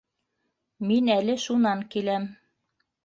Мин әле шунан киләм